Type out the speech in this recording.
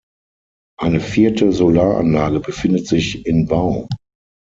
Eine vierte Solaranlage befindet sich in Bau.